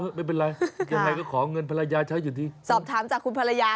ไม่เป็นไรยังไงก็ขอเงินภรรยาใช้อยู่ที่สอบถามจากคุณภรรยา